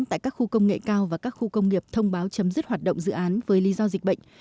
tại các khu công nghệ cao và các khu công nghiệp thông báo chấm dứt hoạt động dự án với lý do dịch bệnh